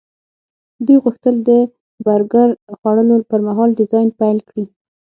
دوی غوښتل د برګر پخولو پرمهال ډیزاین پیل کړي